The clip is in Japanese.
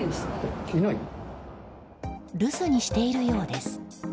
留守にしているようです。